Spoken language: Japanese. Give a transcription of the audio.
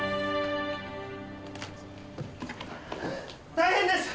大変です！